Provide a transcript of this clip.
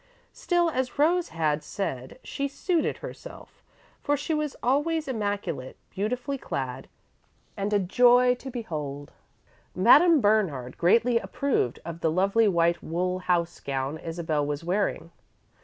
Still, as Rose had said, she "suited herself," for she was always immaculate, beautifully clad, and a joy to behold. Madame Bernard greatly approved of the lovely white wool house gown Isabel was wearing.